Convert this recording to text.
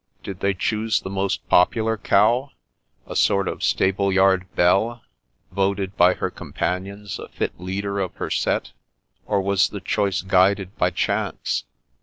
" Did they choose the most popular cow, a sort of stable yard belle, voted by her companions a fit leader of her set; or was the choice guided by chance?